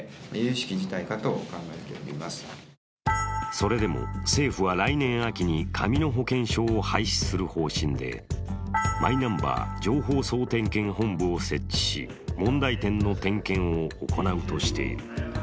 それでも政府は来年秋に紙の保険証を廃止する方針でマイナンバー情報総点検本部を設置し、問題点の点検を行うとしている。